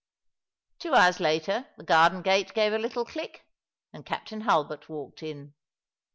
Two hours later the garden gate gave a little click, and Captain Hulbert walked in.